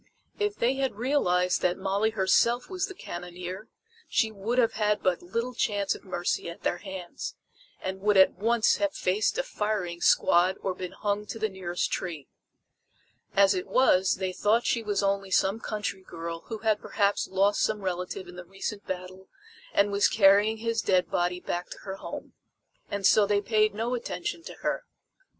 If they had realized that Molly herself was the cannoneer, she would have had but little chance of mercy at their hands, and would at once have faced a firing squad or been hung to the nearest tree. As it was they thought she was only some country girl who had perhaps lost some relative in the recent battle and was carrying his dead body back to her home. And so they paid no attention to her.